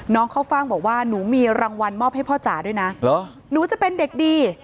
เข้าฟ่างบอกว่าหนูมีรางวัลมอบให้พ่อจ๋าด้วยนะหนูจะเป็นเด็กดี